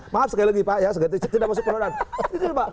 maaf sekali lagi pak ya